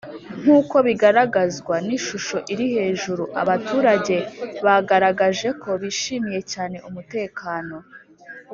Nk uko bigaragzwa n ishusho iri hejuru abaturage bagaragaje ko bishimiye cyane umutekano